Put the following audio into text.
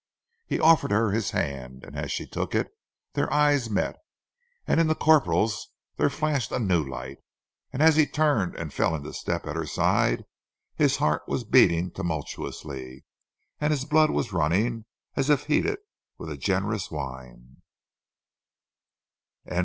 He offered her his hand, and as she took it, their eyes met, and in the corporal's there flashed a new light, and as he turned and fell into step at her side his heart was beating tumultuously, and his blood was running as if heated with a generous wine.